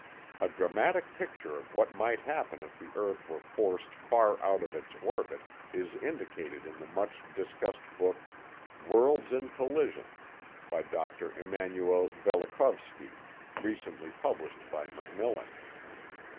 A dramatic picture of what might happen if the earth were forced far out of its orbit is indicated in the much discussed book Worlds in Collision, by Dr. Immanuel Velikovsky, recently published by Macmillan.